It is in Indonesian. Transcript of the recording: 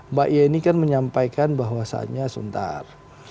mbak yeni kan menyampaikan bahwasannya sebentar